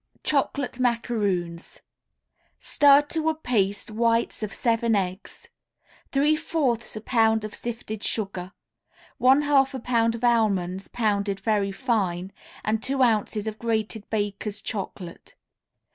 CHOCOLATE MACAROONS Stir to a paste whites of seven eggs, three fourths a pound of sifted sugar, one half a pound of almonds pounded very fine, and two ounces of grated Baker's Chocolate.